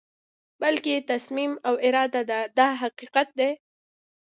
بلکې تصمیم او اراده ده دا حقیقت دی.